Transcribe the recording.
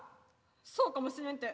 そうかもしれんって。